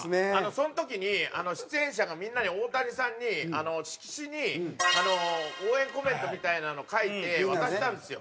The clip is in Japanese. その時に出演者がみんなに大谷さんに色紙に応援コメントみたいなの書いて渡したんですよ。